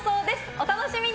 お楽しみに。